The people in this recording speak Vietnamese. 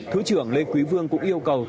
thứ trưởng lê quý vương cũng yêu cầu